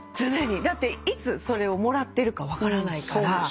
だっていつそれをもらってるか分からないから。